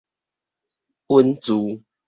穩住